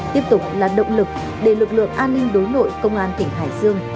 tiếp tục là động lực để lực lượng an ninh đối nội công an tỉnh hải dương